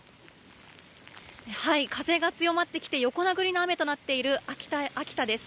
風が強まってきて横殴りの雨となっている秋田です。